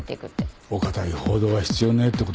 お堅い報道は必要ねえってことか？